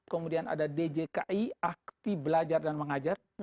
kemudian ada djki akti belajar dan mengajar